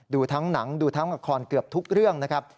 ดูทั้งหนังดูทั้งละครเกือบทุกเรื่องนะครับ